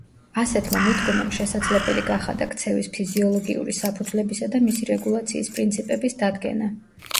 ასეთმა მიდგომამ შესაძლებელი გახადა ქცევის ფიზიოლოგიური საფუძვლებისა და მისი რეგულაციის პრინციპების დადგენა.